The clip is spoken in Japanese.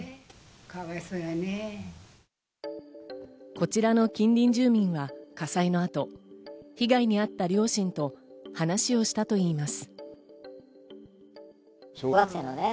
こちらの近隣住民は火災の後、被害に遭った両親と話をしたといいます。